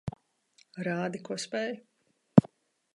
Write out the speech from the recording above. Rādi, ko spēj.